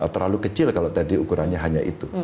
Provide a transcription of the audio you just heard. terlalu kecil kalau tadi ukurannya hanya itu